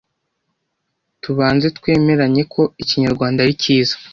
Tubanze twemeranye ko ikinyarwanda ari cyiza